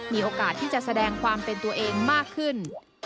มีโอกาสที่จะแสดงความเป็นตัวเองมากขึ้น